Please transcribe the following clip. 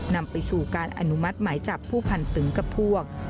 นำไปสู่การอนุมัติหมายจับผู้พันตึงกับพวก